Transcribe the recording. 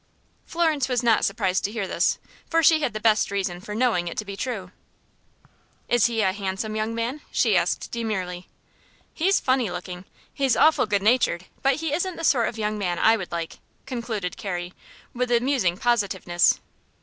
Florence was not surprised to hear this, for she had the best reason for knowing it to be true. "Is he a handsome young man?" she asked, demurely. "He's funny looking. He's awful good natured, but he isn't the sort of young man I would like," concluded Carrie, with amusing positiveness.